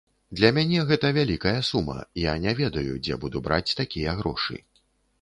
Для мяне гэта вялікая сума, я не ведаю дзе буду браць такія грошы.